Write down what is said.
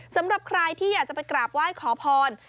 สำหรับใครที่อยากจะไปกราบไหว้ขอพร